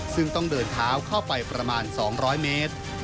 ซึ่งต้องเดินเท้าเข้าไปประมาณ๒๐๐เมตร